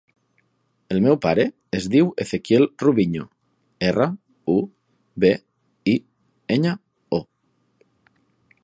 El meu pare es diu Ezequiel Rubiño: erra, u, be, i, enya, o.